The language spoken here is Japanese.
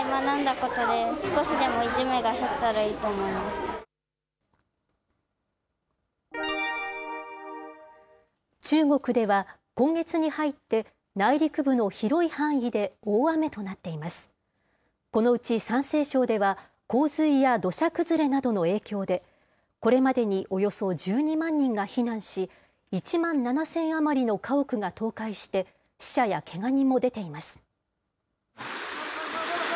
このうち山西省では、洪水や土砂崩れなどの影響で、これまでにおよそ１２万人が避難し、１万７０００余りの家屋が倒壊して、死者やけが人も出ています。